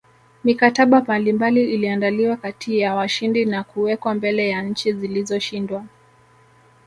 Mikataba mbalimbali iliandaliwa kati ya washindi na kuwekwa mbele ya nchi zilizoshindwa